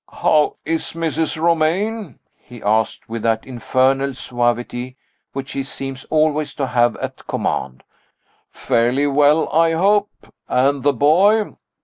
"How is Mrs. Romayne?" he asked, with that infernal suavity which he seems always to have at command. "Fairly well I hope? And the boy?